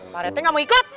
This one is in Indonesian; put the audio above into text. pak rt gak mau ikut